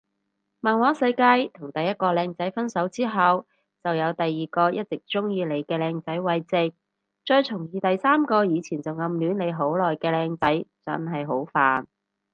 漫畫世界同第一個靚仔分手之後就有第二個一直鍾意你嘅靚仔慰藉再重遇第三個以前就暗戀你好耐嘅靚仔，真係好煩